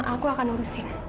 ini sama aku akan urusin